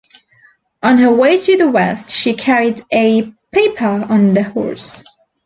On her way to the west, she carried a "pipa" on the horse.